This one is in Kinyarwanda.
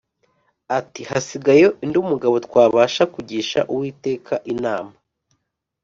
ati “Hasigaye undi mugabo twabasha kugisha Uwiteka inama